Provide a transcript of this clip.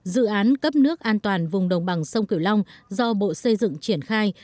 dự án cấp nước an toàn vùng đồng bằng sông cửu long do bộ xây dựng triển khai